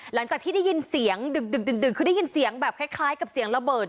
หลังจากที่ได้ยินเสียงดึกคือได้ยินเสียงแบบคล้ายกับเสียงระเบิด